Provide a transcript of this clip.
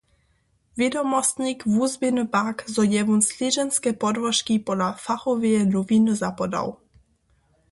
Wědomostnik wuzběhny pak, zo je wón slědźenske podłožki pola fachoweje nowiny zapodał.